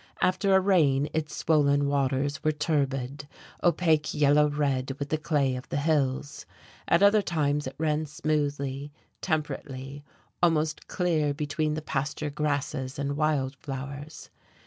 After a rain its swollen waters were turbid, opaque yellow red with the clay of the hills; at other times it ran smoothly, temperately, almost clear between the pasture grasses and wild flowers.